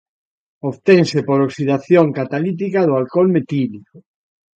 Obtense por oxidación catalítica do alcol metílico.